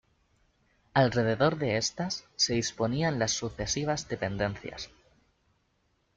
Alrededor de estas se disponían las sucesivas dependencias.